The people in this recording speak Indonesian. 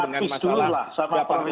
dengan masalah dpr